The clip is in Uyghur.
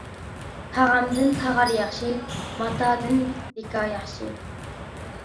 تاغامدىن تاغار ياخشى، ماتادىن دىكا ياخشى.